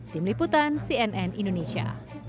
tim liputan cnn indonesia